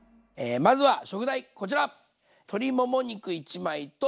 まずは食材こちら！